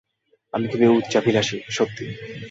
আমি খুবই উচ্চাভিলাষী, সত্যি।